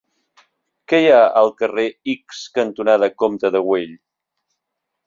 Què hi ha al carrer X cantonada Comte de Güell?